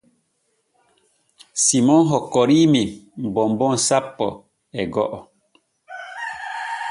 Simon hokkorii men bonbon sappo e go’o.